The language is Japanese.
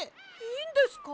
いいんですか？